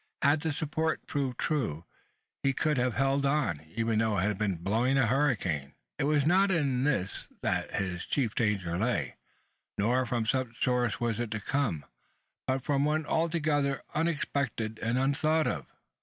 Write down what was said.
Had the support proved true, he could have held on, even though it had been blowing a hurricane! It was not in this that his chief danger lay; nor from such source was it to come; but from one altogether unexpected and unthought of.